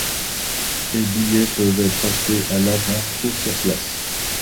Les billets peuvent être achetés à l'avance ou sur place.